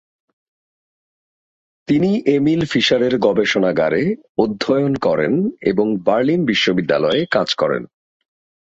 তিনি এমিল ফিশারের গবেষণাগারে অধ্যয়ন করেন এবং বার্লিন বিশ্ববিদ্যালয়ে কাজ করেন।